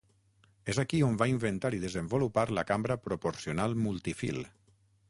És aquí on va inventar i desenvolupar la cambra proporcional multi-fil.